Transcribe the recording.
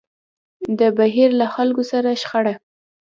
د بهير له خلکو سره شخړه.